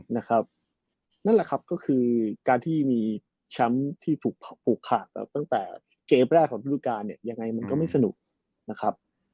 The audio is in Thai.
นั่นแหละครับก็คือการที่มีแชมป์ที่ถูกปลูกขาดตั้งแต่เกมแรกของฤดูการเนี่ยยังไงมันก็ไม่สนุกนะครับ